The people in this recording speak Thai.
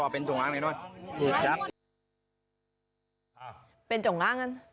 เป็นจงล้างนั้นรู้จักนะ